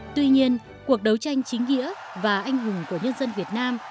tuy nhiên cuộc đấu tranh chính nghĩa và anh hùng của nhân dân việt nam